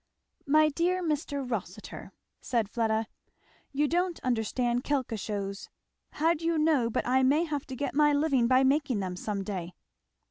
"My dear Mr. Rossitur!" said Fleda, "you don't understand quelquechoses. How do you know but I may have to get my living by making them, some day."